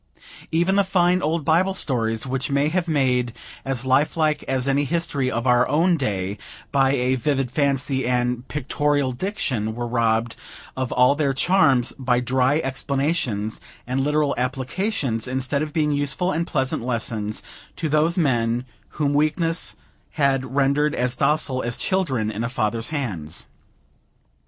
Even the fine old Bible stories, which may be made as lifelike as any history of our day, by a vivid fancy and pictorial diction, were robbed of all their charms by dry explanations and literal applications, instead of being useful and pleasant lessons to those men, whom weakness had rendered as docile as children in a father's hands.